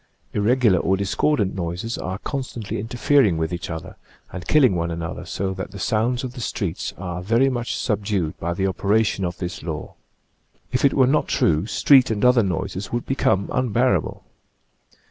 Irregular or discordant noises are constantly interfering with each other and killing one another so that the sounds of the streets are very much subdued by the operation of this law. If it were not true, street and other noises would become unbearable.